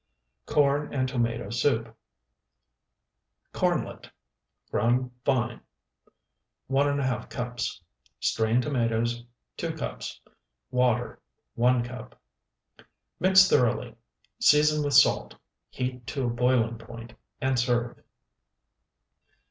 CORN AND TOMATO SOUP Kornlet, ground fine, 1½ cups. Strained tomatoes, 2 cups. Water, 1 cup. Mix thoroughly, season with salt, heat to a boiling point, and serve.